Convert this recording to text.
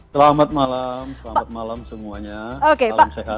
selamat malam selamat malam semuanya